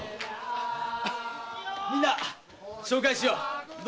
みんな紹介しよう！